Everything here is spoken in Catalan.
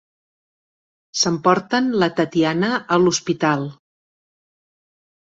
S'emporten la Tatiana a l'hospital.